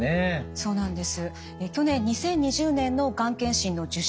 そうなんです。